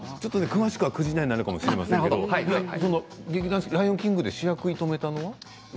詳しくは９時台になるかもしれませんが「ライオンキング」で主役を射止めたのは？